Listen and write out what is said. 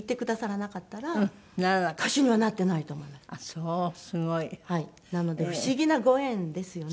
すごい。なので不思議なご縁ですよね。